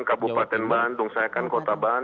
itu kan kabupaten bandung saya kan kota bandung kak